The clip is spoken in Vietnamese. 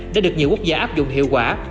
đã được nhiều quốc gia áp dụng hiệu quả